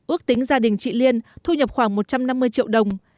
ước tính gia đình chị liên thu nhập khoảng một trăm năm mươi triệu đồng